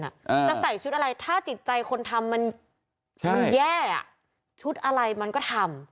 จะใส่ชุดอะไรถ้าจิตใจคนทำมันมันแย่อ่ะชุดอะไรมันก็ทำ